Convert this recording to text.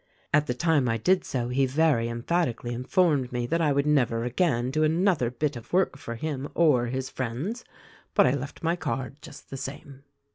At the time I did so he very emphatically informed me that I would never again do another bit of work for him or his friends ; but I left my card just the same.